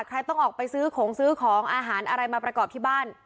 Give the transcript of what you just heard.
ใครต้องออกไปซื้อของซื้อของอาหารอะไรมาประกอบที่บ้าน